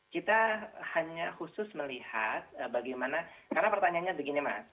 kita hanya khusus melihat bagaimana karena pertanyaannya begini mas